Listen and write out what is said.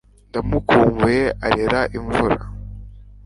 ndamukumbuye arira imvura